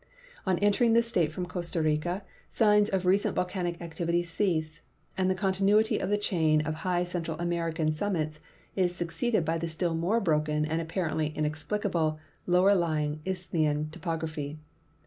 On entering this state from Costa Rica signs of recent volcanic activity cease, and the continuity of the chain of high Central American summits is succeeded by the still more broken and apparently inexplicable lower lying Isthmian topography.